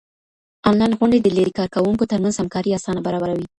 انلاين غونډې د ليرې کارکوونکو ترمنځ همکاري آسانه برابروي.